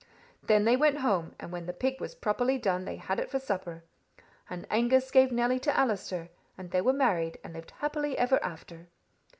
Then they went home, and when the pig was properly done they had it for supper. And Angus gave Nelly to Allister, and they were married, and lived happily ever after."